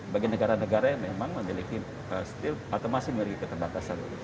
bagi negara negara yang memang memiliki still atau masih memiliki keterbatasan